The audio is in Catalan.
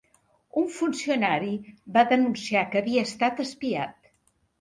Un funcionari va denunciar que havia estat espiat